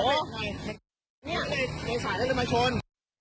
อ๋อในสายเขาจะมาชน